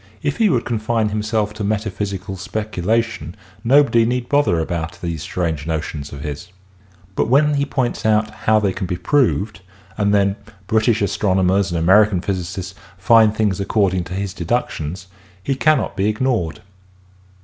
If he would confine himself to metaphysical speculation nobody need bother about these strange notions of his. But when he points how they can be proved and then British astronomers and American physicists find things according to his deductions he cannot be ig nored.